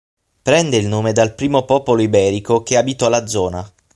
Prende il nome dal primo popolo iberico che abitò la zona.